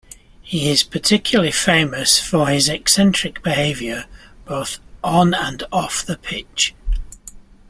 He is particularly famous for his eccentric behaviour both on and off the pitch.